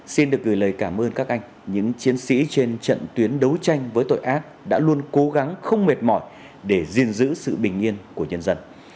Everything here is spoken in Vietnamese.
xin được gửi lời cảm ơn các anh những chiến sĩ trên trận tuyến đấu tranh với tội ác đã luôn cố gắng không mệt mỏi để gìn giữ sự bình yên của nhân dân